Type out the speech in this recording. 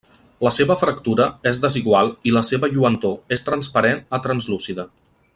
La seva fractura és desigual i la seva lluentor és transparent a translúcida.